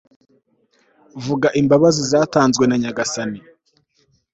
vuga imbabazi zatanzwe na nyagasani